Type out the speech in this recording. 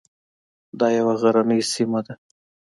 دا یوه غرنۍ سیمه ده.